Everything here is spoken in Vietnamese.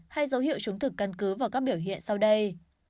hay dấu hiệu chứng thực căn cứ vào các biểu hiện sau đây